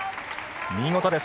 見事です、